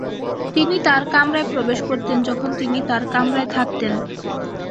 তিনি তার কামরায় প্রবেশ করতেন যখন তিনি তার কামরায় থাকতেন।